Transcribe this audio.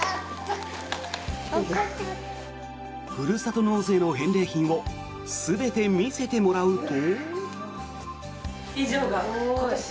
ふるさと納税の返礼品を全て見せてもらうと。